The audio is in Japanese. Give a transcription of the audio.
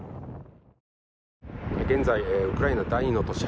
現在、ウクライナ第２の都市